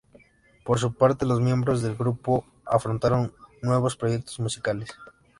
Por su parte, los miembros del grupo, afrontaron nuevos proyectos musicales.